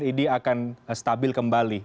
ini akan stabil kembali